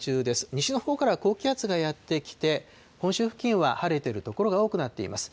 西のほうから高気圧がやって来て、本州付近は晴れている所が多くなっています。